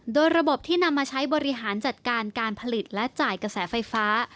โดยระบบที่นำมาใช้บริหารจัดการการผลิตและจ่ายกระแสไฟฟ้า